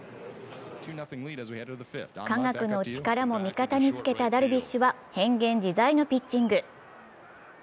科学の力も味方につけたダルビッシュは変幻自在のピッチング。